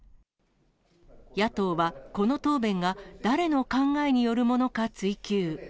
野党はこの答弁が誰の考えによるものか追及。